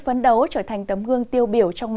vâng ạ xin cảm ơn ông